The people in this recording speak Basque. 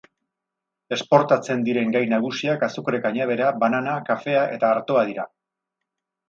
Esportatzen diren gai nagusiak azukre-kanabera, banana, kafea eta artoa dira.